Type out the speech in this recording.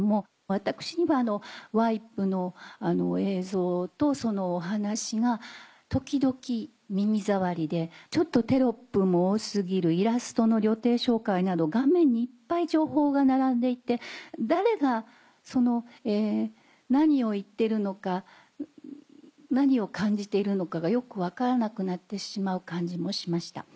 私にはワイプの映像とそのお話が時々耳障りでちょっとテロップも多過ぎるイラストの旅程紹介など画面にいっぱい情報が並んでいて誰が何を言ってるのか何を感じているのかがよく分からなくなってしまう感じもしました。